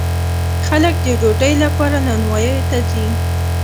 خلک د ډوډۍ لپاره نانواییو ته ځي.